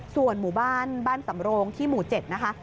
ส่วนหมู่บ้านบ้านสำโรงที่หมู่๗นะคะ